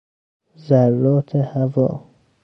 ذرات هوا